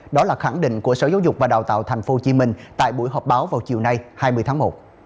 đó là khẳng định của sở giáo dục và đào tạo tp hcm tại buổi họp báo vào chiều nay hai mươi tháng một